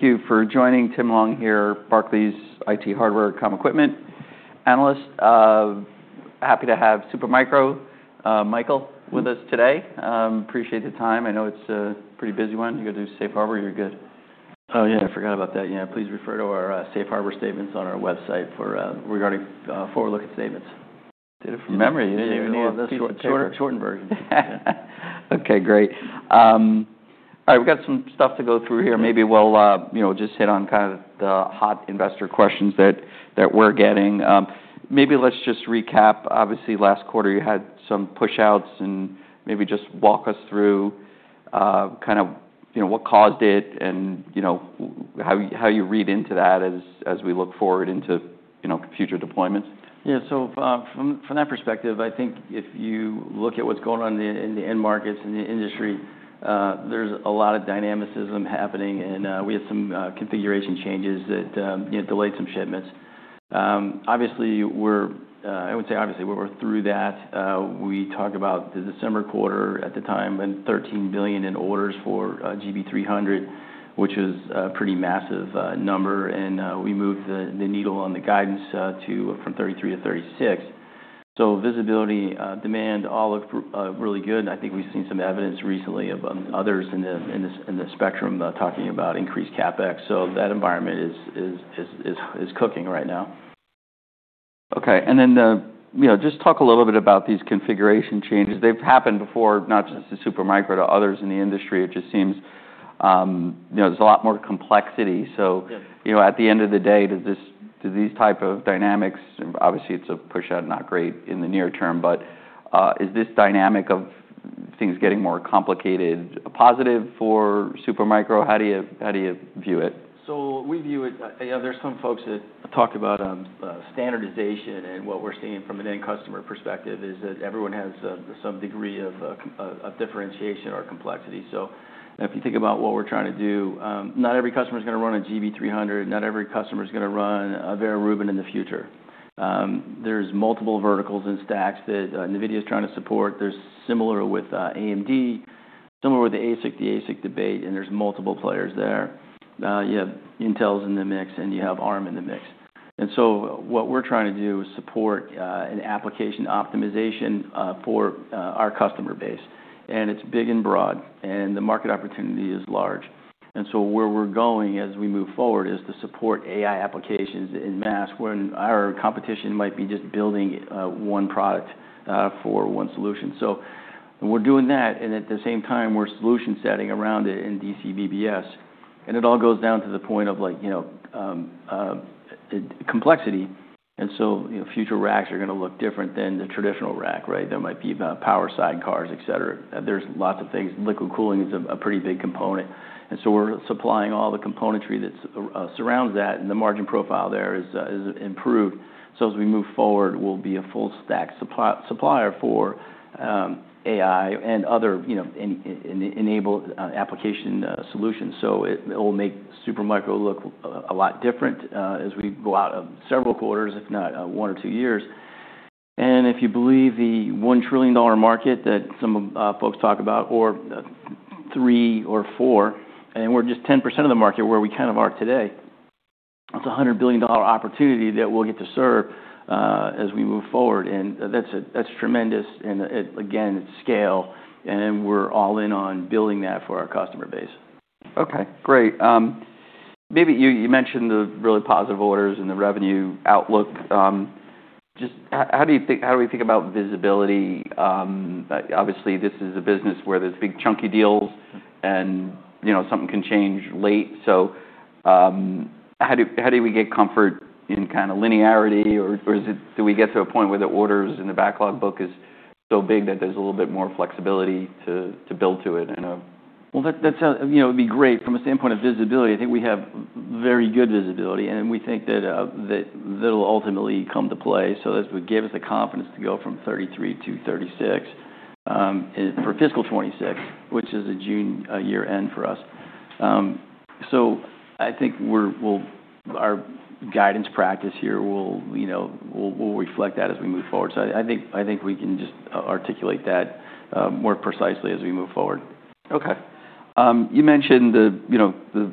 Thank you for joining. Tim Long here, Barclays IT hardware, comm equipment analyst. Happy to have Super Micro, Michael with us today. Appreciate the time. I know it's a pretty busy one. You got to do safe harbor. You're good. Oh, yeah. I forgot about that. Yeah. Please refer to our Safe Harbor statements on our website for regarding forward-looking statements. Did it from memory? Yeah. Yeah. Yeah. That's the short, shortened version. Okay. Great. All right. We've got some stuff to go through here. Maybe we'll, you know, just hit on kind of the hot investor questions that we're getting. Maybe let's just recap. Obviously, last quarter you had some push-outs, and maybe just walk us through, kind of, you know, what caused it and, you know, how you read into that as we look forward into, you know, future deployments. Yeah. So, from that perspective, I think if you look at what's going on in the end markets in the industry, there's a lot of dynamism happening, and we had some configuration changes that, you know, delayed some shipments. Obviously, we're through that. I wouldn't say obviously we were through that. We talked about the December quarter at the time and $13 billion in orders for GB300, which was a pretty massive number. And we moved the needle on the guidance to from 33 to 36. So visibility, demand all looked really good. I think we've seen some evidence recently of others in the spectrum talking about increased CapEx. So that environment is cooking right now. Okay. And then, you know, just talk a little bit about these configuration changes. They've happened before, not just to Supermicro, to others in the industry. It just seems, you know, there's a lot more complexity. So. Yeah. You know, at the end of the day, does this, do these type of dynamics, obviously, it's a push-out, not great in the near term, but, is this dynamic of things getting more complicated a positive for Super Micro? How do you, how do you view it? So we view it, you know. There's some folks that talk about standardization, and what we're seeing from an end customer perspective is that everyone has some degree of differentiation or complexity, so if you think about what we're trying to do, not every customer's gonna run a GB300. Not every customer's gonna run a Vera Rubin in the future. There's multiple verticals and stacks that NVIDIA is trying to support. There's similar with AMD, similar with the ASIC, the ASIC debate, and there's multiple players there. You have Intel's in the mix, and you have ARM in the mix. And so what we're trying to do is support an application optimization for our customer base. And it's big and broad, and the market opportunity is large. And so where we're going as we move forward is to support AI applications en masse when our competition might be just building one product for one solution. So we're doing that, and at the same time, we're solution setting around it in DCBBS. It all goes down to the point of, like, you know, complexity. So, you know, future racks are gonna look different than the traditional rack, right? There might be power sidecars, etc. There's lots of things. Liquid cooling is a pretty big component. And so we're supplying all the componentry that surrounds that, and the margin profile there is improved. So as we move forward, we'll be a full-stack supplier for AI and other, you know, enabling application solutions. So it will make Super Micro look a lot different, as we go out of several quarters, if not one or two years. And if you believe the $1 trillion market that some folks talk about, or three or four, and we're just 10% of the market where we kind of are today, that's a $100 billion opportunity that we'll get to serve, as we move forward. And that's tremendous, and again it's scale, and we're all in on building that for our customer base. Okay. Great. Maybe you mentioned the really positive orders and the revenue outlook. Just how do you think, how do we think about visibility? Obviously, this is a business where there's big chunky deals, and, you know, something can change late. So, how do we get comfort in kind of linearity, or is it, do we get to a point where the orders in the backlog book is so big that there's a little bit more flexibility to build to it in a? That's, you know, it'd be great from a standpoint of visibility. I think we have very good visibility, and we think that'll ultimately come to play. So that would give us the confidence to go from 33 to 36 for fiscal 2026, which is a June year-end for us. I think our guidance practice here will, you know, reflect that as we move forward. So I think we can just articulate that more precisely as we move forward. Okay. You mentioned the, you know,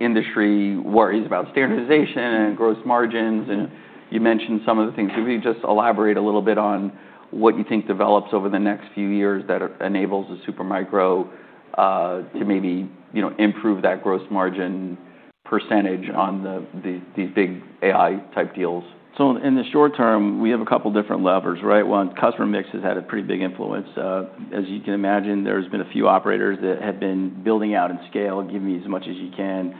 industry worries about standardization and gross margins, and you mentioned some of the things. Could you just elaborate a little bit on what you think develops over the next few years that enables Supermicro to maybe, you know, improve that gross margin percentage on the big AI-type deals? So in the short term, we have a couple different levers, right? One, customer mix has had a pretty big influence. As you can imagine, there's been a few operators that have been building out in scale, giving me as much as you can,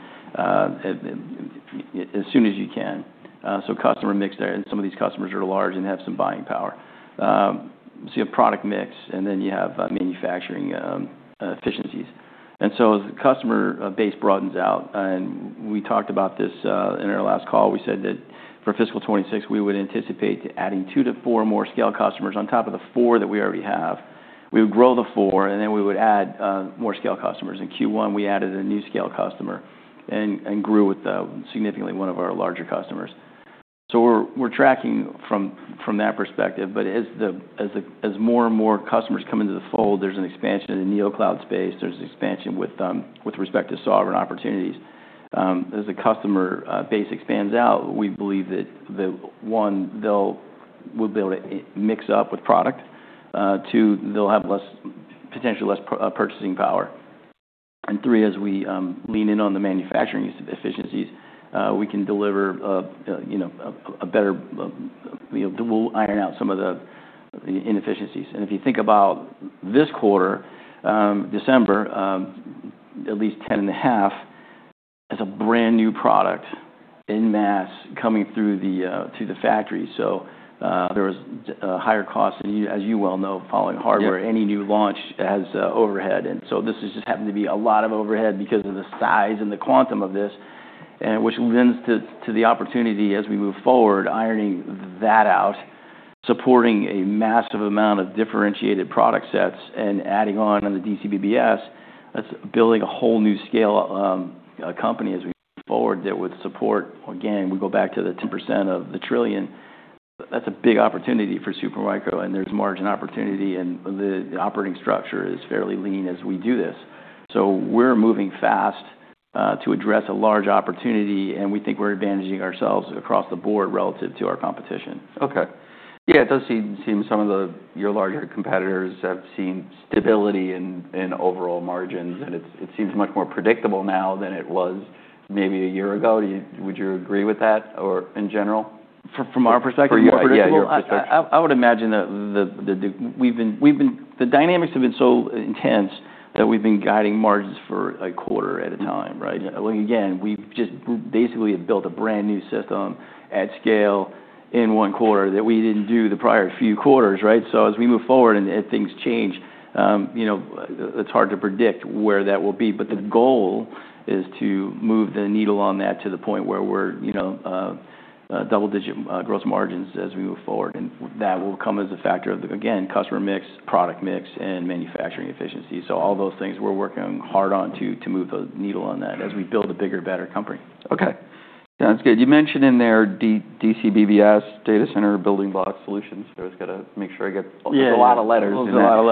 as soon as you can. So customer mix there, and some of these customers are large and have some buying power. So you have product mix, and then you have manufacturing efficiencies. And so as the customer base broadens out, and we talked about this in our last call, we said that for fiscal 2026, we would anticipate adding two to four more scale customers on top of the four that we already have. We would grow the four, and then we would add more scale customers. In Q1, we added a new scale customer and grew significantly with one of our larger customers. So we're tracking from that perspective. But as more and more customers come into the fold, there's an expansion in the NeoCloud space. There's an expansion with respect to sovereign opportunities. As the customer base expands out, we believe that one, they'll, we'll be able to mix up with product. Two, they'll have less, potentially less, purchasing power. And three, as we lean in on the manufacturing efficiencies, we can deliver, you know, a better, you know, we'll iron out some of the inefficiencies. And if you think about this quarter, December, at least 10 and a half, it's a brand new product en masse coming through to the factory. So there was a higher cost, and you, as you well know, following hardware, any new launch has overhead. And so this has just happened to be a lot of overhead because of the size and the quantum of this, which lends to the opportunity as we move forward, ironing that out, supporting a massive amount of differentiated product sets and adding on the DCBBS. That's building a whole new scale company as we move forward that would support, again, we go back to the 10% of the trillion. That's a big opportunity for Super Micro, and there's margin opportunity, and the operating structure is fairly lean as we do this. So we're moving fast to address a large opportunity, and we think we're advantaging ourselves across the board relative to our competition. Okay. Yeah. It does seem some of your larger competitors have seen stability in overall margins, and it seems much more predictable now than it was maybe a year ago. Would you agree with that or in general? From our perspective? From your perspective. Yeah. Well, I would imagine that the dynamics have been so intense that we've been guiding margins for a quarter at a time, right? Like, again, we've basically built a brand new system at scale in one quarter that we didn't do the prior few quarters, right? So as we move forward and things change, you know, it's hard to predict where that will be. But the goal is to move the needle on that to the point where we're, you know, double-digit gross margins as we move forward. And that will come as a factor of, again, customer mix, product mix, and manufacturing efficiency. So all those things we're working hard on to move the needle on that as we build a bigger, better company. Okay. Sounds good. You mentioned in there D-DCBBS, data center building block solutions. I just gotta make sure I get a lot of letters. Yeah. There's a lot of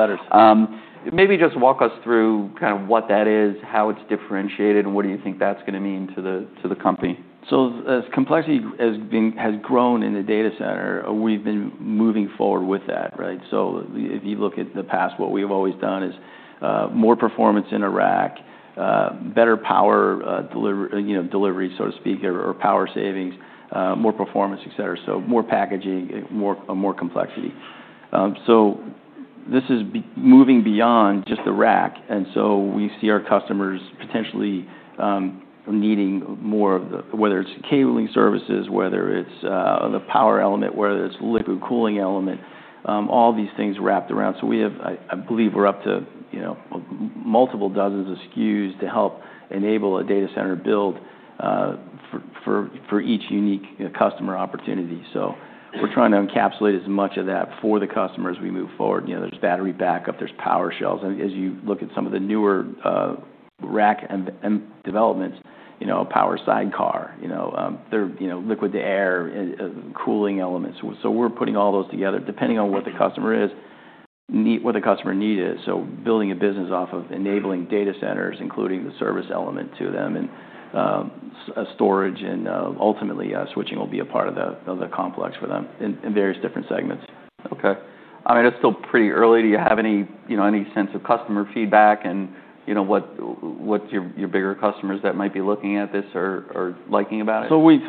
letters. Maybe just walk us through kind of what that is, how it's differentiated, and what do you think that's gonna mean to the, to the company? So as complexity has been, has grown in the data center, we've been moving forward with that, right? So if you look at the past, what we've always done is more performance in a rack, better power delivery, you know, so to speak, or power savings, more performance, etc. So more packaging, more complexity. So this is moving beyond just the rack. And so we see our customers potentially needing more of the, whether it's cabling services, whether it's the power element, whether it's liquid cooling element, all these things wrapped around. So we have, I believe we're up to, you know, multiple dozens of SKUs to help enable a data center build, for each unique customer opportunity. So we're trying to encapsulate as much of that for the customers as we move forward. You know, there's battery backup, there's power shelves. As you look at some of the newer rack and developments, you know, a power sidecar, you know, liquid-to-air and cooling elements. So we're putting all those together depending on what the customer needs is. So building a business off of enabling data centers, including the service element to them and storage and ultimately switching will be a part of the complex for them in various different segments. Okay. I mean, it's still pretty early. Do you have any, you know, sense of customer feedback and, you know, what your bigger customers that might be looking at this are liking about it? We've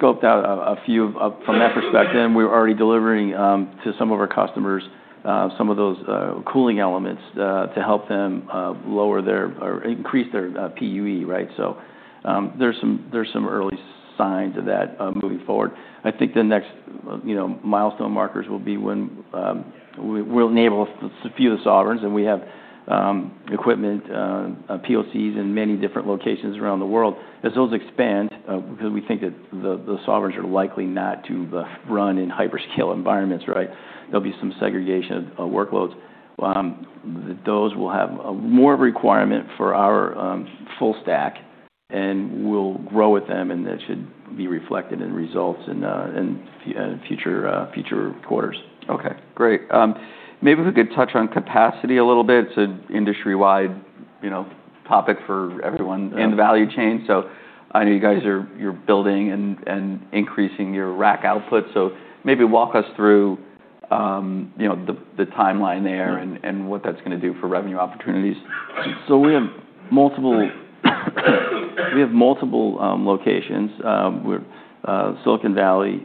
scoped out a few from that perspective. We're already delivering to some of our customers some of those cooling elements to help them lower their or increase their PUE, right? There's some early signs of that moving forward. I think the next you know milestone markers will be when we'll enable a few of the sovereigns, and we have equipment POCs in many different locations around the world. As those expand, because we think that the sovereigns are likely not to run in hyperscale environments, right? There'll be some segregation of workloads. Those will have more of a requirement for our full stack, and we'll grow with them, and that should be reflected in results and future quarters. Okay. Great. Maybe we could touch on capacity a little bit. It's an industry-wide, you know, topic for everyone in the value chain. So I know you guys are, you're building and increasing your rack output. So maybe walk us through, you know, the timeline there and what that's gonna do for revenue opportunities. We have multiple locations. We're in Silicon Valley,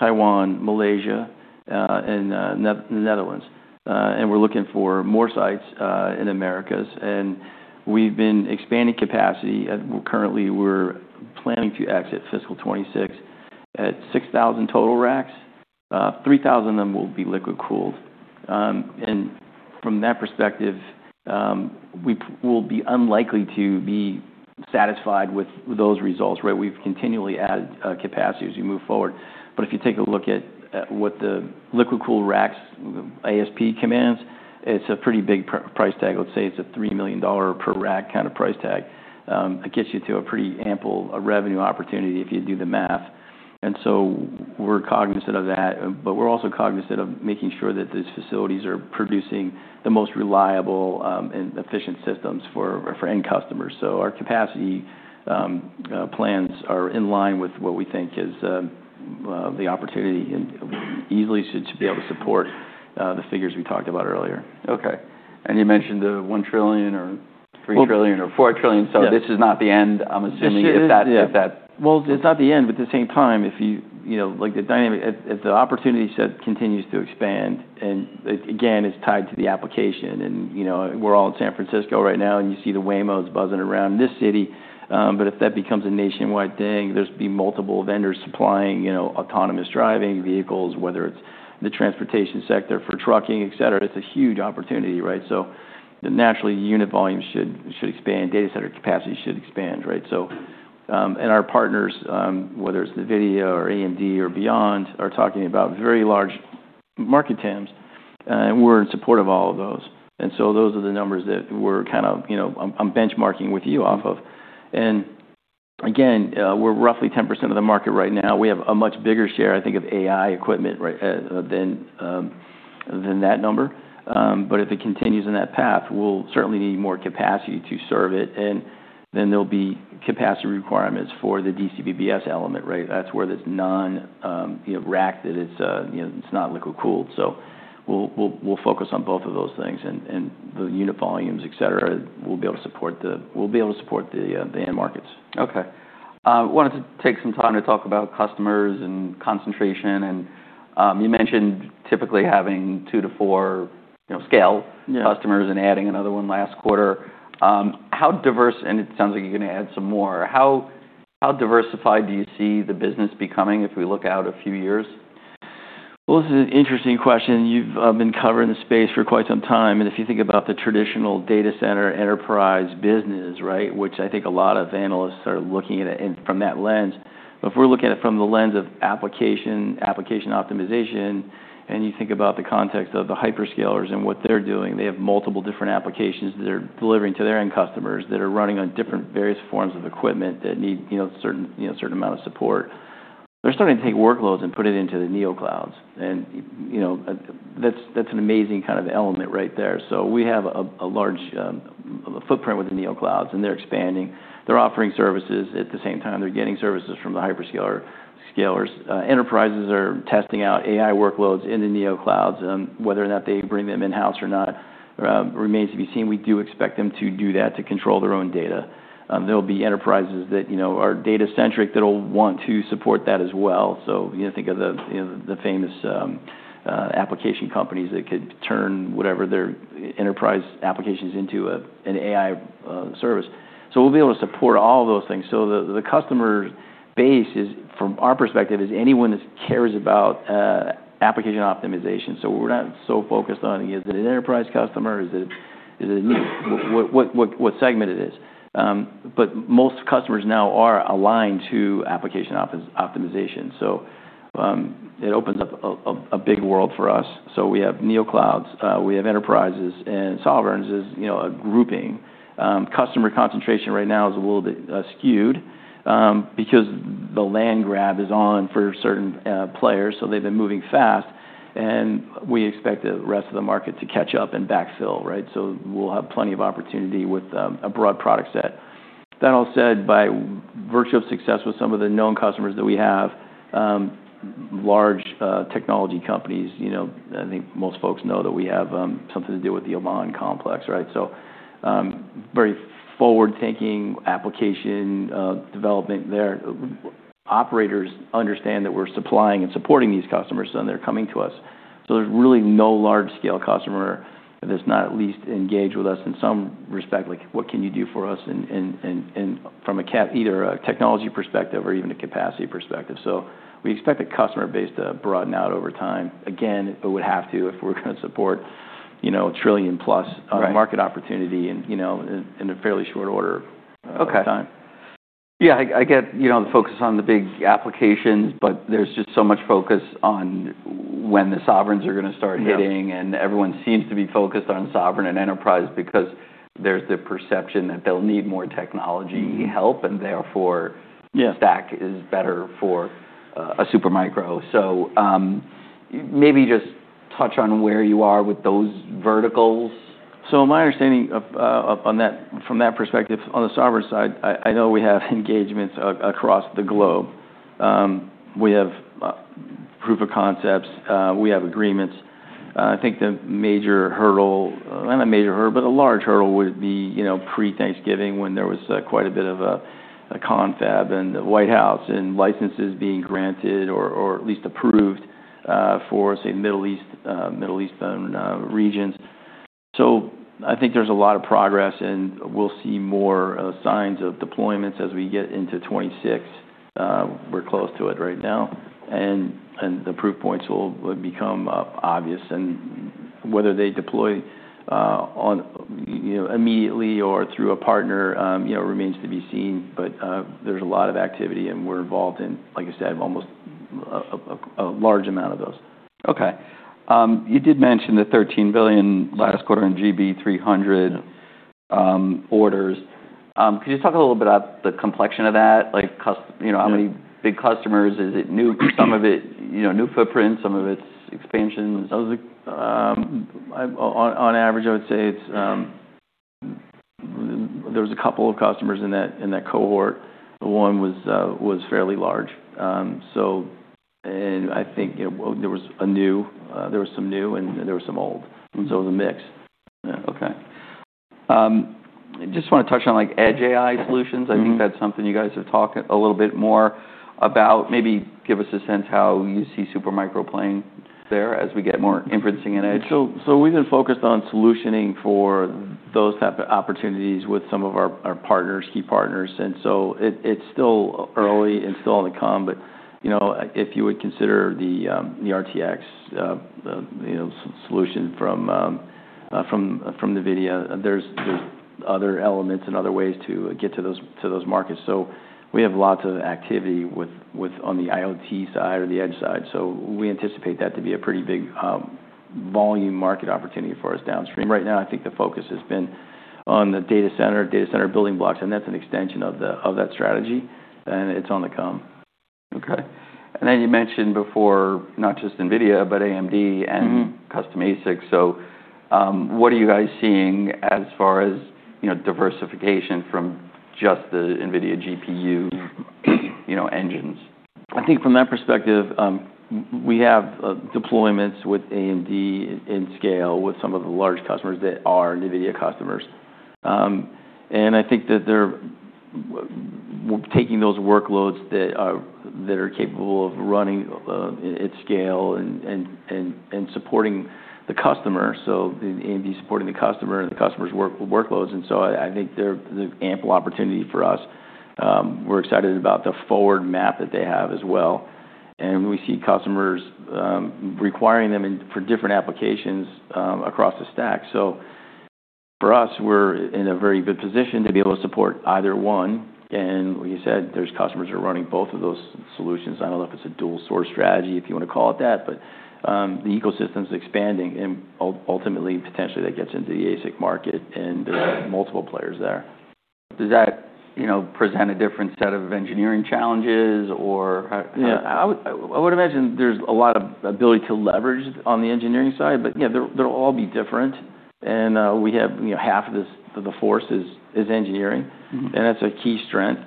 Taiwan, Malaysia, and the Netherlands, and we're looking for more sites in the Americas. We've been expanding capacity. Currently, we're planning to exit fiscal 2026 at 6,000 total racks. 3,000 of them will be liquid cooled, and from that perspective, we will be unlikely to be satisfied with those results, right? We've continually added capacity as we move forward, but if you take a look at what the liquid cooled racks ASP commands, it's a pretty big price tag. Let's say it's a $3 million per rack kind of price tag. It gets you to a pretty ample revenue opportunity if you do the math. And so we're cognizant of that, but we're also cognizant of making sure that these facilities are producing the most reliable and efficient systems for end customers. Our capacity plans are in line with what we think is the opportunity and easily should be able to support the figures we talked about earlier. Okay. And you mentioned the one trillion or three trillion or four trillion. So this is not the end, I'm assuming, if that. It's not the end, but at the same time, if you, you know, like the dynamic, if the opportunity set continues to expand and, again, it's tied to the application and, you know, we're all in San Francisco right now and you see the Waymo's buzzing around in this city. But if that becomes a nationwide thing, there'll be multiple vendors supplying, you know, autonomous driving vehicles, whether it's the transportation sector for trucking, etc. It's a huge opportunity, right? So naturally, unit volume should expand. Data center capacity should expand, right? So, and our partners, whether it's NVIDIA or AMD or beyond, are talking about very large market TAMs, and we're in support of all of those. And so those are the numbers that we're kind of, you know, I'm benchmarking with you off of. And again, we're roughly 10% of the market right now. We have a much bigger share, I think, of AI equipment, right, than that number, but if it continues in that path, we'll certainly need more capacity to serve it, and then there'll be capacity requirements for the DCBBS element, right? That's where this non, you know, rack that it's, you know, it's not liquid cooled. So we'll focus on both of those things and the unit volumes, etc. We'll be able to support the end markets. Okay. I wanted to take some time to talk about customers and concentration, and you mentioned typically having two to four, you know, scale customers and adding another one last quarter. How diverse, and it sounds like you're gonna add some more. How, how diversified do you see the business becoming if we look out a few years? This is an interesting question. You've been covering the space for quite some time. And if you think about the traditional data center enterprise business, right, which I think a lot of analysts are looking at it from that lens, if we're looking at it from the lens of application, application optimization, and you think about the context of the hyperscalers and what they're doing, they have multiple different applications that are delivering to their end customers that are running on different various forms of equipment that need, you know, certain amount of support. They're starting to take workloads and put it into the NeoClouds. And, you know, that's an amazing kind of element right there. So we have a large footprint with the NeoClouds, and they're expanding. They're offering services. At the same time, they're getting services from the hyperscalers. Enterprises are testing out AI workloads in the NeoClouds. Whether or not they bring them in-house or not, remains to be seen. We do expect them to do that to control their own data. There'll be enterprises that, you know, are data-centric that'll want to support that as well. So, you know, think of the, you know, the famous, application companies that could turn whatever their enterprise applications into an AI, service. So we'll be able to support all of those things. So the customer base is, from our perspective, anyone that cares about, application optimization. So we're not so focused on, is it an enterprise customer? Is it a new what segment it is? But most customers now are aligned to application optimization. So, it opens up a big world for us. So we have NeoClouds, we have enterprises, and sovereigns is, you know, a grouping. Customer concentration right now is a little bit skewed, because the land grab is on for certain players. So they've been moving fast, and we expect the rest of the market to catch up and backfill, right? So we'll have plenty of opportunity with a broad product set. That all said, by virtue of success with some of the known customers that we have, large technology companies, you know, I think most folks know that we have something to do with the Elon complex, right? So, very forward-thinking application development there. Operators understand that we're supplying and supporting these customers, and they're coming to us. There's really no large-scale customer that's not at least engaged with us in some respect, like, what can you do for us and from a CapEx, either a technology perspective or even a capacity perspective. We expect the customer base to broaden out over time. Again, it would have to if we're gonna support, you know, a trillion-plus market opportunity and, you know, in a fairly short order of time. Okay. Yeah. I get, you know, the focus on the big applications, but there's just so much focus on when the sovereigns are gonna start hitting, and everyone seems to be focused on sovereign and enterprise because there's the perception that they'll need more technology help, and therefore. Yeah. Stack is better for a Supermicro, so maybe just touch on where you are with those verticals. So my understanding of, on that, from that perspective, on the sovereign side, I know we have engagements across the globe. We have proof of concepts. We have agreements. I think the major hurdle, not a major hurdle, but a large hurdle would be, you know, pre-Thanksgiving when there was quite a bit of a confab and the White House and licenses being granted or at least approved for, say, Middle East, Middle Eastern regions. So I think there's a lot of progress, and we'll see more signs of deployments as we get into 2026. We're close to it right now. And the proof points will become obvious. And whether they deploy on, you know, immediately or through a partner, you know, remains to be seen. But, there's a lot of activity, and we're involved in, like I said, almost a large amount of those. Okay. You did mention the $13 billion last quarter in GB300 orders. Could you talk a little bit about the complexion of that? Like, you know, how many big customers? Is it new? Some of it, you know, new footprints, some of it's expansions? On average, I would say it's there was a couple of customers in that cohort. One was fairly large. So, and I think, you know, there was some new, and there was some old. So it was a mix. Okay. I just want to touch on, like, edge AI solutions. I think that's something you guys have talked a little bit more about. Maybe give us a sense how you see Supermicro playing there as we get more inferencing in edge. So we've been focused on solutioning for those type of opportunities with some of our key partners. And so it's still early and still on the come, but you know, if you would consider the RTX, you know, solution from NVIDIA, there's other elements and other ways to get to those markets. So we have lots of activity on the IoT side or the edge side. So we anticipate that to be a pretty big volume market opportunity for us downstream. Right now, I think the focus has been on the data center building blocks, and that's an extension of that strategy, and it's on the come. Okay. And then you mentioned before, not just NVIDIA, but AMD and custom ASICs. So, what are you guys seeing as far as, you know, diversification from just the NVIDIA GPU, you know, engines? I think from that perspective, we have deployments with AMD at scale with some of the large customers that are NVIDIA customers. I think that they're taking those workloads that are capable of running at scale and supporting the customer. So AMD is supporting the customer and the customer's workloads. So I think there's ample opportunity for us. We're excited about the roadmap that they have as well. We see customers requiring them for different applications across the stack. So for us, we're in a very good position to be able to support either one. Like I said, there are customers that are running both of those solutions. I don't know if it's a dual-source strategy, if you want to call it that, but the ecosystem's expanding, and ultimately, potentially, that gets into the ASIC market, and there's multiple players there. Does that, you know, present a different set of engineering challenges or how? Yeah. I would imagine there's a lot of ability to leverage on the engineering side, but yeah, they'll all be different. We have, you know, half of the workforce is engineering, and that's a key strength.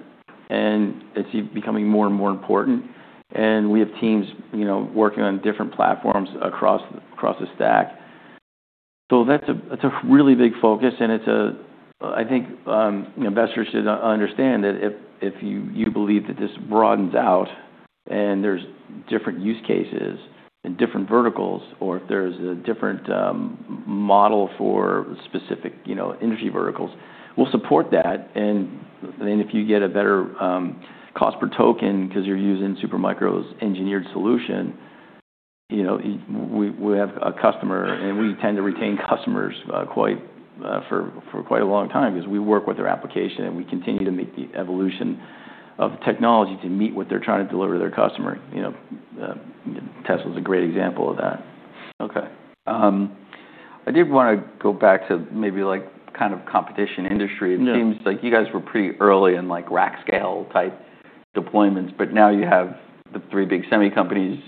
It's becoming more and more important. We have teams, you know, working on different platforms across the stack, so that's a really big focus, and I think investors should understand that if you believe that this broadens out and there's different use cases and different verticals, or if there's a different model for specific, you know, industry verticals, we'll support that. Then if you get a better cost per token because you're using Supermicro's engineered solution, you know, we have a customer, and we tend to retain customers quite for quite a long time because we work with their application, and we continue to meet the evolution of technology to meet what they're trying to deliver to their customer. You know, Tesla's a great example of that. Okay. I did want to go back to maybe like kind of competition industry. It seems like you guys were pretty early in like rack-scale type deployments, but now you have the three big semi companies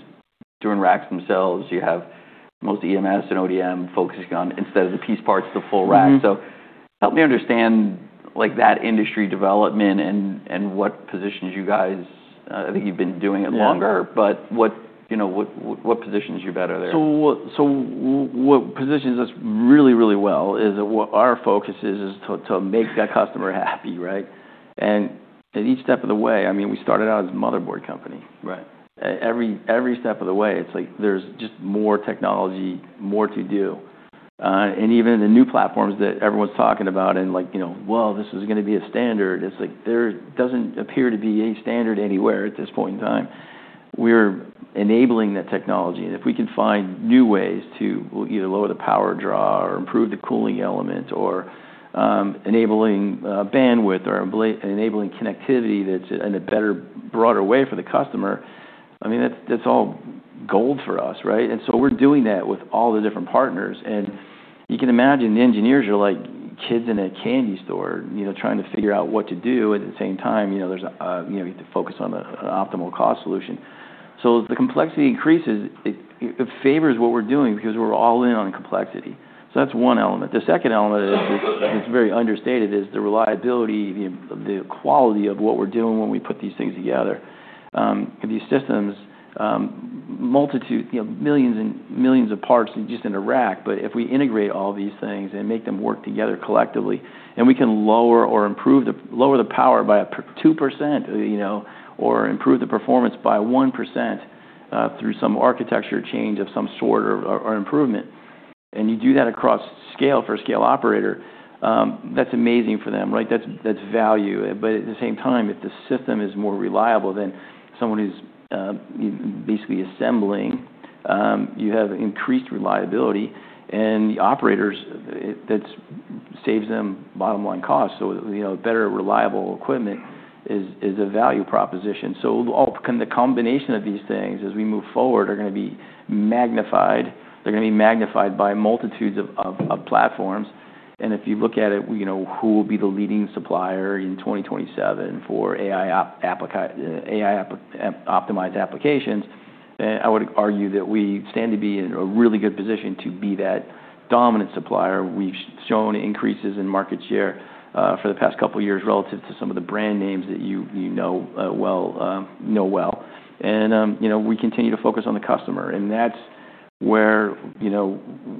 doing racks themselves. You have most EMS and ODM focusing on, instead of the piece parts, the full rack. So help me understand, like, that industry development and what positions you guys, I think you've been doing it longer, but what, you know, what positions you better there? What positions us really, really well is that what our focus is to make that customer happy, right? At each step of the way, I mean, we started out as a motherboard company. Right. Every, every step of the way, it's like there's just more technology, more to do. And even the new platforms that everyone's talking about and like, you know, well, this was gonna be a standard. It's like there doesn't appear to be a standard anywhere at this point in time. We're enabling that technology. And if we can find new ways to either lower the power draw or improve the cooling element or, enabling, bandwidth or enabling connectivity that's in a better, broader way for the customer, I mean, that's, that's all gold for us, right? And so we're doing that with all the different partners. And you can imagine the engineers are like kids in a candy store, you know, trying to figure out what to do. At the same time, you know, you have to focus on an optimal cost solution. As the complexity increases, it favors what we're doing because we're all in on complexity. So that's one element. The second element is, it's very understated, is the reliability, the quality of what we're doing when we put these things together. These systems, multitude, you know, millions and millions of parts just in a rack, but if we integrate all these things and make them work together collectively, and we can lower or improve the power by 2%, you know, or improve the performance by 1%, through some architecture change of some sort or improvement, and you do that across scale for a scale operator, that's amazing for them, right? That's value. But at the same time, if the system is more reliable than someone who's basically assembling, you have increased reliability, and the operators, that saves them bottom-line costs. So, you know, better reliable equipment is a value proposition. So all the combination of these things as we move forward are gonna be magnified. They're gonna be magnified by multitudes of platforms. And if you look at it, you know, who will be the leading supplier in 2027 for AI application, AI optimized applications? And I would argue that we stand to be in a really good position to be that dominant supplier. We've shown increases in market share, for the past couple of years relative to some of the brand names that you know well. And, you know, we continue to focus on the customer, and that's where, you know,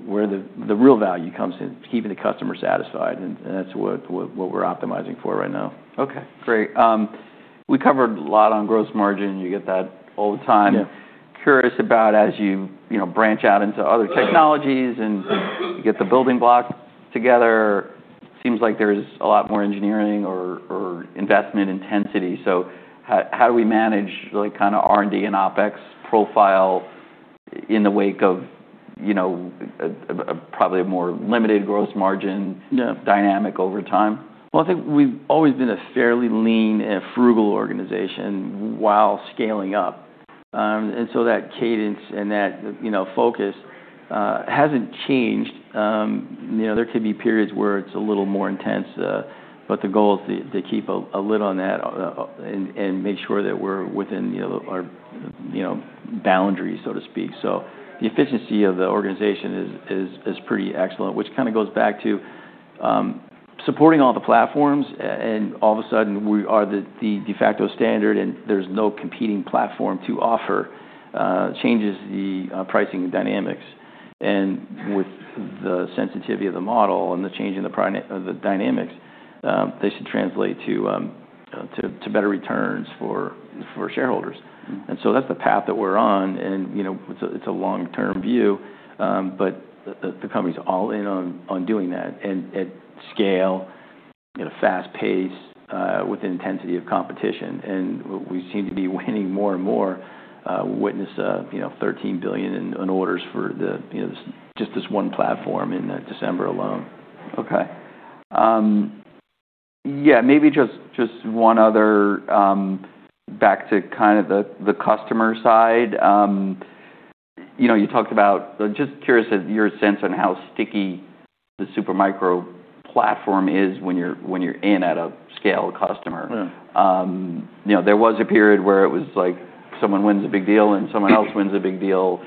where the real value comes in, keeping the customer satisfied. And that's what we're optimizing for right now. Okay. Great. We covered a lot on gross margin. You get that all the time. Yeah. Curious about as you, you know, branch out into other technologies and get the building blocks together, seems like there's a lot more engineering or investment intensity. So how do we manage, like, kind of R&D and OpEx profile in the wake of, you know, probably a more limited gross margin? Yeah. Dynamic over time? I think we've always been a fairly lean and frugal organization while scaling up, and so that cadence and that, you know, focus, hasn't changed. You know, there could be periods where it's a little more intense, but the goal is to keep a lid on that, and make sure that we're within, you know, our, you know, boundaries, so to speak, so the efficiency of the organization is pretty excellent, which kind of goes back to supporting all the platforms, and all of a sudden we are the de facto standard, and there's no competing platform to offer, changes the pricing dynamics, and with the sensitivity of the model and the change in the dynamics, they should translate to better returns for shareholders, and so that's the path that we're on. You know, it's a long-term view, but the company's all in on doing that and at scale, at a fast pace, with the intensity of competition. We seem to be winning more and more, as witness, you know, $13 billion in orders for just this one platform in December alone. Okay. Yeah, maybe just one other, back to kind of the customer side. You know, you talked about, just curious of your sense on how sticky the Supermicro platform is when you're in at a scale customer. Yeah. You know, there was a period where it was like someone wins a big deal and someone else wins a big deal.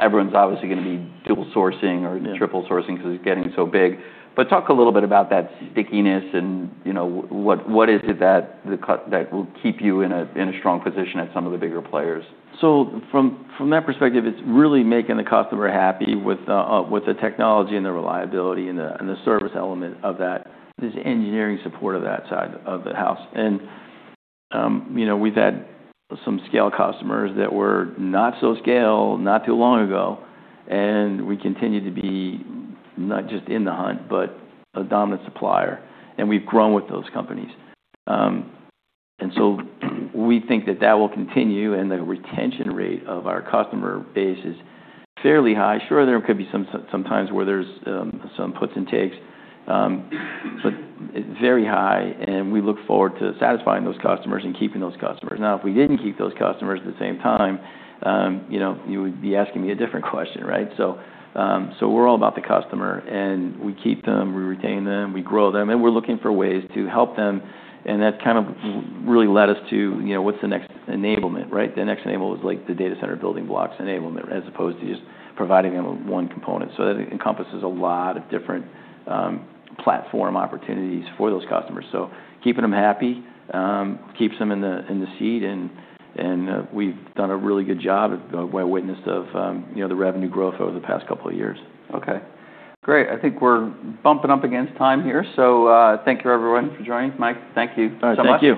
Everyone's obviously gonna be dual sourcing or triple sourcing because it's getting so big. But talk a little bit about that stickiness and, you know, what, what is it that the cut that will keep you in a, in a strong position at some of the bigger players? So from that perspective, it's really making the customer happy with the technology and the reliability and the service element of that, this engineering support of that side of the house. And, you know, we've had some scale customers that were not so scale not too long ago, and we continue to be not just in the hunt, but a dominant supplier. And we've grown with those companies, and so we think that that will continue, and the retention rate of our customer base is fairly high. Sure, there could be some puts and takes, but very high, and we look forward to satisfying those customers and keeping those customers. Now, if we didn't keep those customers at the same time, you know, you would be asking me a different question, right? We're all about the customer, and we keep them, we retain them, we grow them, and we're looking for ways to help them. That's kind of really led us to, you know, what's the next enablement, right? The next enablement was like the data center building blocks enablement as opposed to just providing them with one component. That encompasses a lot of different platform opportunities for those customers. Keeping them happy keeps them in the seat, and we've done a really good job by witness of, you know, the revenue growth over the past couple of years. Okay. Great. I think we're bumping up against time here. So, thank you everyone for joining. Mike, thank you so much. Thanks so much.